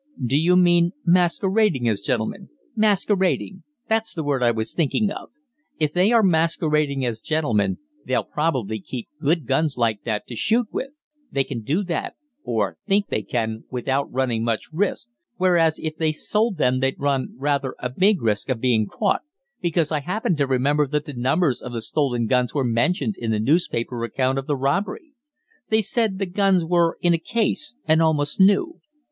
"Do you mean masquerading as gentlemen?" "Masquerading that's the word I was thinking of; if they are masquerading as gentlemen they'll probably keep good guns like that to shoot with they can do that, or think they can, without running much risk, whereas if they sold them they'd run rather a big risk of being caught, because I happen to remember that the numbers of the stolen guns were mentioned in the newspaper account of the robbery. They said the guns were in a case, and almost new.